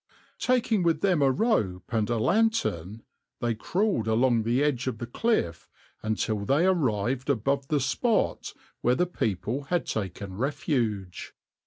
Taking with them a rope and a lantern, they crawled along the edge of the cliff until they arrived above the spot where the people had taken refuge.